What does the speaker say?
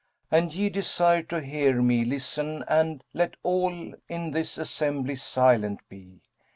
An ye desire to hear me, listen, and * Let all in this assembly silent be.